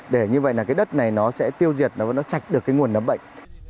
để như vậy là cái đất này nó sẽ tiêu diệt nó sạch được cái nguồn nấm bệnh